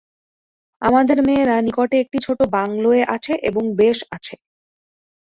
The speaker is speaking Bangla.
আমাদের মেয়েরা নিকটে একটি ছোট বাংলায় আছে এবং বেশ আছে।